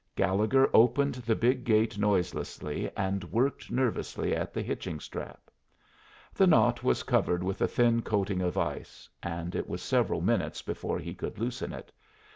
Gallegher opened the big gate noiselessly, and worked nervously at the hitching strap. The knot was covered with a thin coating of ice, and it was several minutes before he could loosen it.